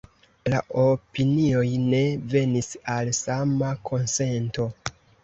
La opinioj ne venis al sama konsento.